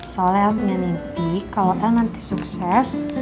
soalnya aku punya mimpi kalau el nanti sukses